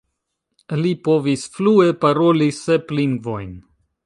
Li povis flue paroli sep lingvojn.